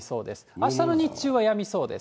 あしたの日中はやみそうです。